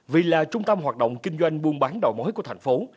vì là trung tâm hoạt động kinh doanh buôn bán đầu mối của thành phố